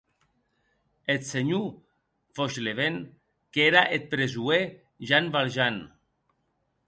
Eth senhor Fauchelevent qu’ère eth presoèr Jean Valjean.